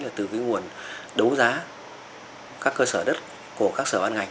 là từ nguồn đấu giá các cơ sở đất của các sở an ngành